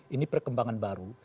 ini perkembangan baru